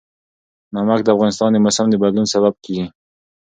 نمک د افغانستان د موسم د بدلون سبب کېږي.